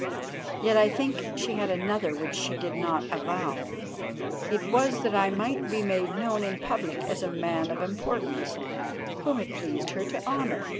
Yet I think she had another which she did not avow. It was that I might be made known in public as a man of importance whom it pleased her to honour.